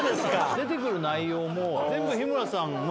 出てくる内容も。